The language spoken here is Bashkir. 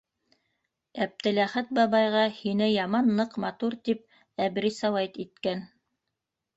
Әптеләхәт бабайға һине яман ныҡ матур тип әбрисават иткән.